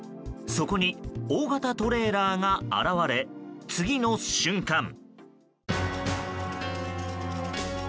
そこに大型トレーラーが現れ次の瞬間。